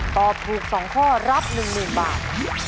ตอบถูก๒ข้อรับ๑๐๐๐บาท